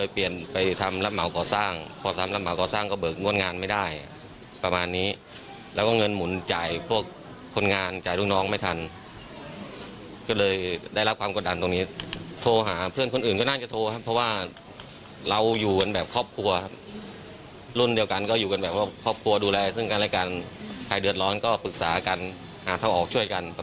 เปลี่ยนไปทำรับเหมาก่อสร้างพอทำรับเหมาก่อสร้างก็เบิกงวดงานไม่ได้ประมาณนี้แล้วก็เงินหมุนจ่ายพวกคนงานจ่ายลูกน้องไม่ทันก็เลยได้รับความกดดันตรงนี้โทรหาเพื่อนคนอื่นก็น่าจะโทรครับเพราะว่าเราอยู่กันแบบครอบครัวครับรุ่นเดียวกันก็อยู่กันแบบว่าครอบครัวดูแลซึ่งกันและกันใครเดือดร้อนก็ปรึกษากันหาทางออกช่วยกันประ